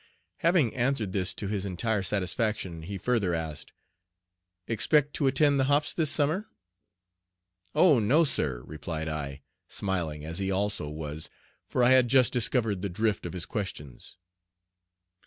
Having answered this to his entire satisfaction, he further asked: "Expect to attend the hops this summer?" "Oh no, sir," replied I, smiling, as he also was, for I had just discovered the drift of his questions.